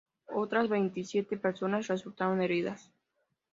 Otras veintisiete personas resultaron heridas.